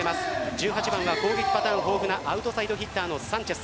１８番は、攻撃パターン豊富なアウトサイドヒッターのサンチェス。